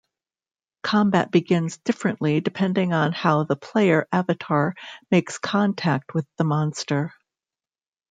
Combat begins differently depending on how the player avatar makes contact with the monster.